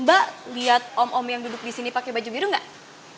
mbak lihat om om yang duduk disini pakai baju biru gak